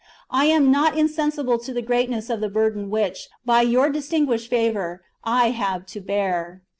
I am not insensible to the greatness of the burden which, by your distinguished favour, I have to bear.